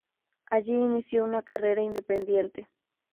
Allí inició una carrera independiente.